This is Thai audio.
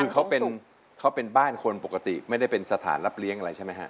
คือเขาเป็นบ้านคนปกติไม่ได้เป็นสถานรับเลี้ยงอะไรใช่ไหมฮะ